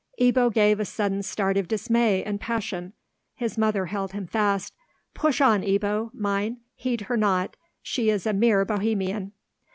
Ebbo gave a sudden start of dismay and passion; his mother held him fast. "Push on, Ebbo, mine; heed her not; she is a mere Bohemian."